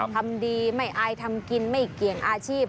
ทำดีไม่อายทำกินไม่เกี่ยงอาชีพ